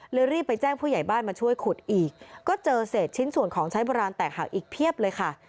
รีบไปแจ้งผู้ใหญ่บ้านมาช่วยขุดอีกก็เจอเศษชิ้นส่วนของใช้โบราณแตกหักอีกเพียบเลยค่ะ